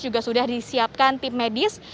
juga sudah disiapkan tim medis